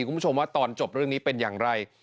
คุณผู้ชมว่าตอนจบเรื่องนี้เป็นอย่างไร